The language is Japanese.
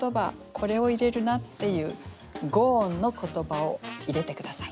これを入れるなっていう五音の言葉を入れて下さい。